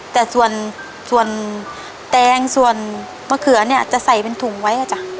แต่ส่วนแตงส่วนมะเขือเนี่ยจะใส่เป็นถุงไว้อ่ะจ้ะ